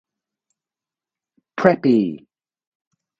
Preppie!